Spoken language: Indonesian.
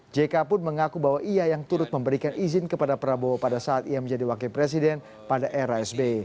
jk pun mengaku bahwa ia yang turut memberikan izin kepada prabowo pada saat ia menjadi wakil presiden pada era sby